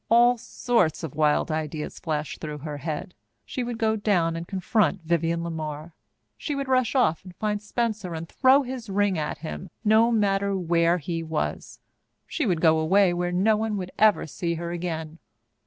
All sorts of wild ideas flashed through her head. She would go down and confront Vivienne LeMar she would rush off and find Spencer and throw his ring at him, no matter where he was she would go away where no one would ever see her again.